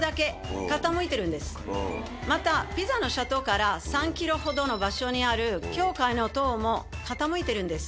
またピサの斜塔から３ｋｍほどの場所にある教会の塔も傾いてるんです。